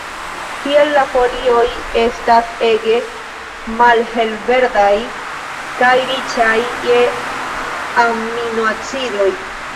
Tiel la folioj estas ege malhelverdaj kaj riĉaj je aminoacidoj.